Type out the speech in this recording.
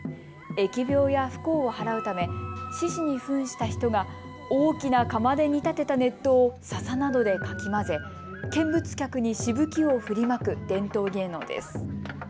疫病や不幸を払うため獅子にふんした人が大きな釜で煮立てた熱湯をささなどでかき混ぜ、見物客にしぶきを振りまく伝統芸能です。